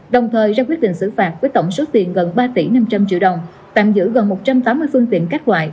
đồng thời ra quyết định xử phạt với tổng số tiền gần ba tỷ năm trăm linh triệu đồng tạm giữ gần một trăm tám mươi phương tiện các loại